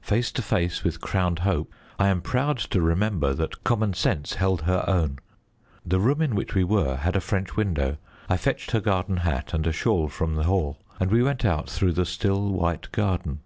Face to face with crowned hope, I am proud to remember that common sense held her own. The room in which we were had a French window. I fetched her garden hat and a shawl from the hall, and we went out through the still, white garden.